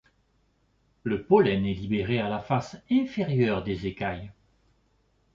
Le pollen est libéré à la face inférieure des écailles.